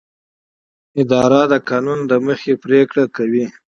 اداره د قانون له مخې پریکړه کوي.